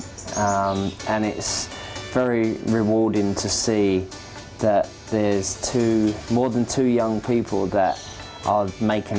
dan sangat menyenangkan melihat bahwa ada lebih dari dua orang muda yang membuat perubahan